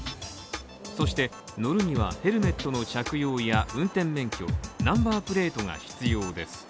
そして、乗るには、ヘルメットの着用や運転免許、ナンバープレートが必要です。